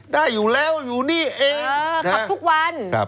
ได้อยู่แล้วอยู่นี่เองขับทุกวัน